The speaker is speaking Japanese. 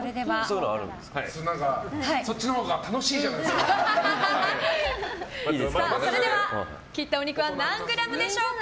そっちのほうがそれでは、切ったお肉は何グラムでしょうか。